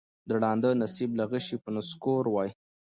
د ړانده نصیب له غشي به نسکور وای